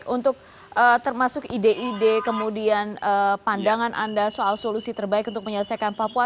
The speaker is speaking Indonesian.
untuk termasuk ide ide kemudian pandangan anda soal solusi terbaik untuk menyelesaikan papua